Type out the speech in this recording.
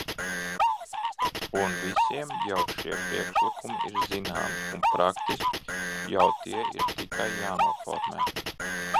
Un visiem jau šie priekšlikumi ir zināmi, un praktiski jau tie ir tikai jānoformē.